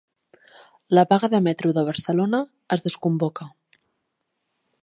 La vaga de Metro de Barcelona es desconvoca